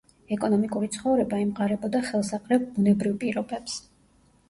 ეკონომიკური ცხოვრება ემყარებოდა ხელსაყრელ ბუნებრივ პირობებს.